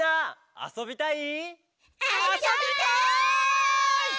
あそびたい！